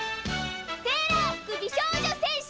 セーラー服美少女戦士！